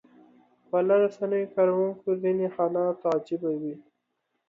خواله رسنیو کاروونکو ځینې حالات عجيبه وي